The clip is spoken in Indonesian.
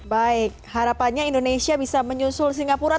baik harapannya indonesia bisa menyusul singapura